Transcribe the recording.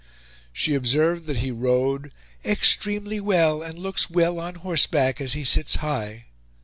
She observed that he rode "extremely well, and looks well on horseback, as he sits high."